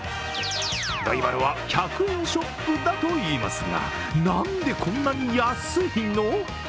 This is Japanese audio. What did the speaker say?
ライバルは１００円ショップだといいますが、なんでこんなに安いの？